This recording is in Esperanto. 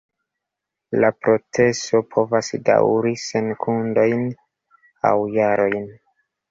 La proceso povas daŭri sekundojn aŭ jarojn.